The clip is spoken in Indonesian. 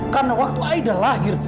karena waktu aida lahir